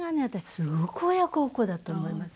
すごく親孝行だと思います。